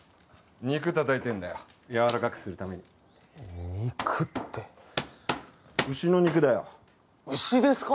肉叩いてんだよやわらかくするために肉って牛の肉だよ牛ですか？